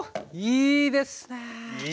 いいですね！